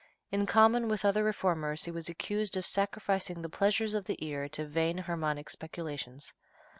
In common with other reformers he was accused of "sacrificing the pleasures of the ear to vain harmonic speculations."